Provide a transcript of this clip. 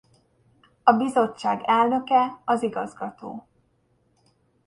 A Bizottság elnöke az igazgató.